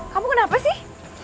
kamu kenapa sih